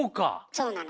そうなの。